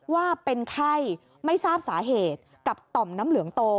ว่าเป็นไข้ไม่ทราบสาเหตุกับต่อมน้ำเหลืองโต